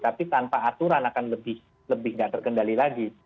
tapi tanpa aturan akan lebih nggak terkendali lagi